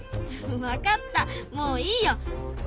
わかったもういいよ。